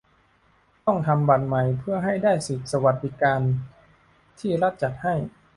ต้องทำบัตรใหม่เพื่อให้ได้สิทธิ์สวัสดิการที่รัฐจัดให้